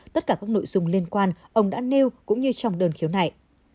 tất cả các nội dung liên quan ông đã nêu cũng như trong đơn khiếu nại